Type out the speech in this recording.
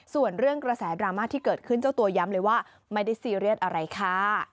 ส่วนเรื่องกระแสดราม่าที่เกิดขึ้นเจ้าตัวย้ำเลยว่าไม่ได้ซีเรียสอะไรค่ะ